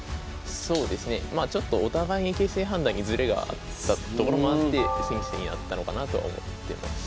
そうですねまあちょっとお互いに形勢判断にずれがあったところもあって千日手になったのかなとは思ってます。